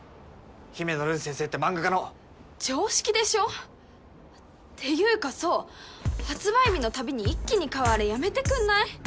姫乃るん先生って漫画家の常識でしょ？っていうかそう発売日のたびに一気に買うあれやめてくんない？